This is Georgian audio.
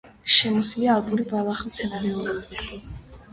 შემოსილია ალპური ბალახმცენარეულობით.